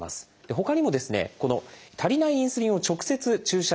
ほかにもですね足りないインスリンを直接注射で補う。